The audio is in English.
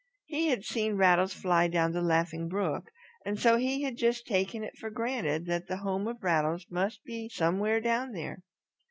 He had seen Rattles fly down the Laughing Brook, and so he had just taken it for granted that the home of Rattles must be somewhere down there.